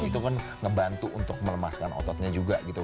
itu kan ngebantu untuk melemaskan ototnya juga gitu